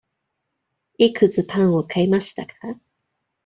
いくつパンを買いましたか。